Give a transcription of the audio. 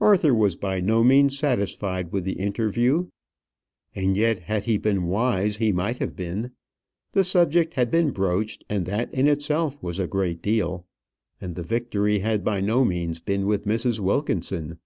Arthur was by no means satisfied with the interview, and yet had he been wise he might have been. The subject had been broached, and that in itself was a great deal. And the victory had by no means been with Mrs. Wilkinson.